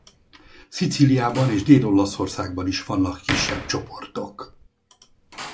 Szicíliában és Dél-Olaszországban is vannak kisebb csoportok.